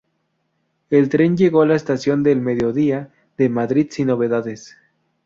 El tren llegó a la Estación del Mediodía de Madrid sin novedades.